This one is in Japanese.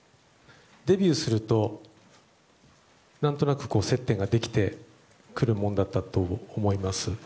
デビューすると、何となく接点ができてくるものだったと思います。